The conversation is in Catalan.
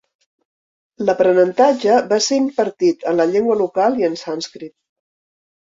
L'aprenentatge va ser impartit en la llengua local i en sànscrit.